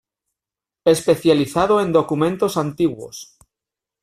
Especializado en documentos antiguos.